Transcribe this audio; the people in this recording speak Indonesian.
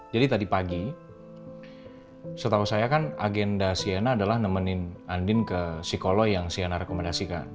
jadi tadi pagi setahu saya kan agenda sienna adalah nemenin andin ke psikolog yang sienna rekomendasikan